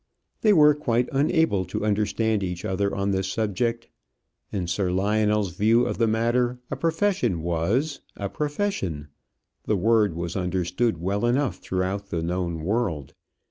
They were quite unable to understand each other on this subject. In Sir Lionel's view of the matter, a profession was a profession. The word was understood well enough throughout the known world.